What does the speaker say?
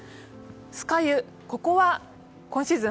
酸ヶ湯は今シーズン